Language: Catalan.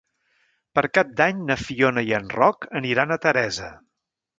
Per Cap d'Any na Fiona i en Roc aniran a Teresa.